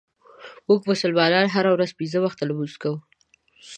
مونږ مسلمانان هره ورځ پنځه وخته لمونځ کوو.